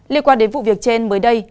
liên quan đến vụ việc trên mới đây